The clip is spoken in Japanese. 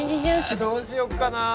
あどうしよっかな。